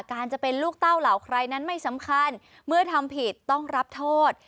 จะเป็นลูกเต้าเหล่าใครนั้นไม่สำคัญเมื่อทำผิดต้องรับโทษ